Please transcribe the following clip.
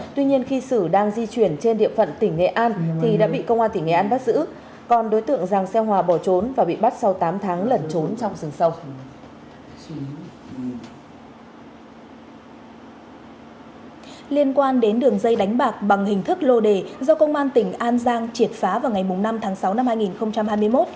liên quan đến đường dây đánh bạc bằng hình thức lô đề do công an tỉnh an giang triệt phá vào ngày năm tháng sáu năm hai nghìn hai mươi một